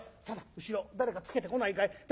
定後ろ誰かつけてこないかい？